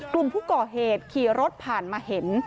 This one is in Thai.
กลุ่มผู้ก่อเหตุขี่รถผ่านมาเห็น